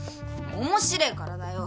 面白えからだよ。